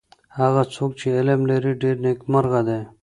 هغه څوک چی علم لري ډېر نیکمرغه دی.